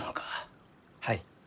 はい。